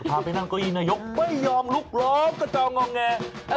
พาไปนั่งเก้าอี้หน่ายกไม่ยอมลุกรอบก็ต้องงอแง